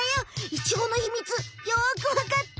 イチゴの秘密よくわかった！